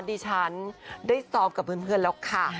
ดิฉันได้ซ้อมกับเพื่อนแล้วค่ะ